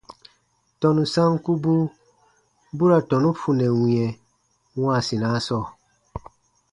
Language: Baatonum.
Tɔnu sankubu bu ra tɔnu funɛ wĩɛ wãasinaa sɔɔ.